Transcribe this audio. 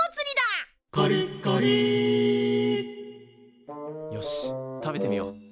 「カリッカリ」よし食べてみよう。